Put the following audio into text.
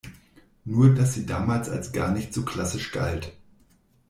Nur dass sie damals als gar nicht so klassisch galt.